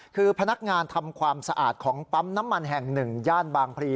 คือพนักงานทำความสะอาดของปั๊มน้ำมันแห่งหนึ่งย่านบางพลี